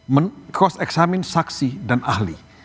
men cross examine saksi dan ahli